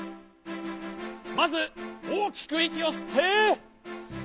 まずおおきくいきをすって。